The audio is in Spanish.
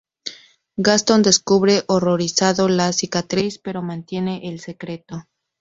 Gaston descubre horrorizado la cicatriz pero mantiene el secreto.